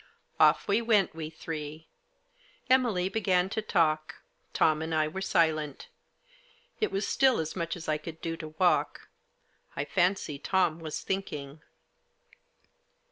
Off we went, we three. Emily began to talk. Tom and I were silent. It was still as much as I could do to walk ; I fancy Tom was thinking.